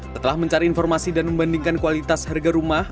setelah mencari informasi dan membandingkan kualitas harga rumah